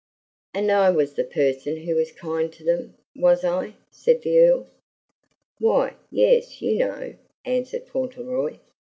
"And I was the person who was kind to them was I?" said the Earl. "Why, yes, you know," answered Fauntleroy.